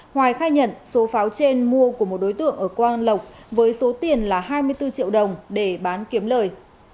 hoài khai nhận số pháo trên mua của một đối tượng ở quang lộc với số tiền là hai mươi bốn triệu đồng để bán kiếm lời